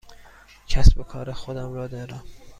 کسب و کار خودم را دارم.